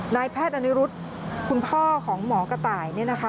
นายแพทย์อานีรุชคุณพ่อของหมอกระต่ายนะคะ